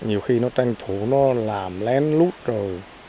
nhiều khi nó tranh thủ nó làm lén lút rồi